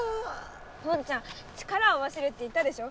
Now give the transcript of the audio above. ポンちゃん力を合わせるって言ったでしょ。